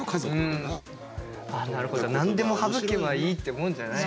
何でも省けばいいってもんじゃない。